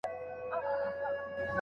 د پلار مشورې د زوی ژوند روښانه کړ.